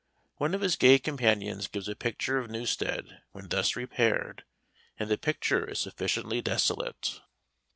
One of his gay companions gives a picture of Newstead when thus repaired, and the picture is sufficiently desolate.